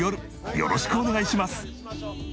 よろしくお願いします。